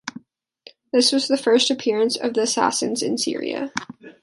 This was the first appearance of the Assassins in Syria.